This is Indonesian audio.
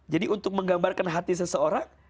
jadi untuk menggambarkan hati seseorang